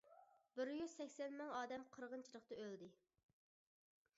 بىر يۈز سەكسەن مىڭ ئادەم قىرغىنچىلىقتا ئۆلدى.